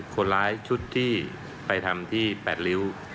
คนร้ายชุดที่ไปทำที่๘ริ้ว